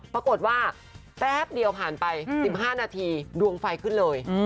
แป๊บเดียวผ่านไป๑๕นาทีดวงไฟขึ้นเลย